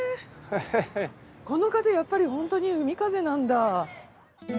この風やっぱり本当に海風なんだ。